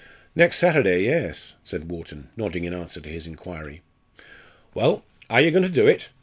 "Next Saturday. Yes!" said Wharton, nodding in answer to his inquiry. "Well, are you going to do it?"